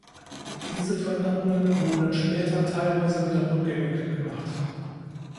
Diese Veränderungen wurden später teilweise wieder rückgängig gemacht.